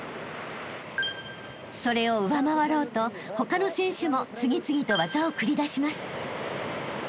［それを上回ろうと他の選手も次々と技を繰り出します］